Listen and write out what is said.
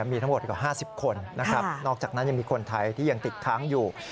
มีทั้งหมดกว่า๕๐คนนะครับนอกจากนั้นยังมีคนไทยที่ยังติดค้างอยู่